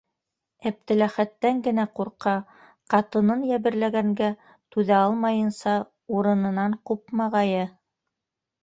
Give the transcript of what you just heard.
Әптеләхәттән генә ҡурҡа: ҡатынын йәберләгәнгә түҙә алмайынса, урынынан ҡупмағайы.